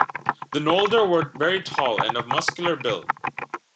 The Noldor were very tall and of muscular build.